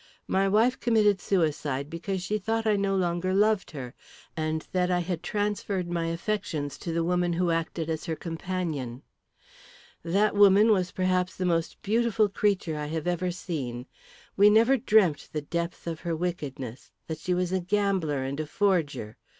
My wife committed suicide because she thought I no longer loved her, and that I had transferred my affections to the woman who acted as her companion. "That woman was perhaps the most beautiful creature I have ever seen. We never dreamt the depth of her wickedness, that she was a gambler and a forger.